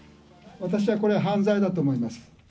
私はこれは犯罪だと思います。